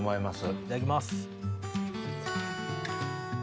いただきます。